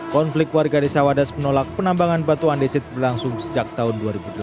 konflik warga desa wadas menolak penambangan batu andesit berlangsung sejak tahun dua ribu delapan belas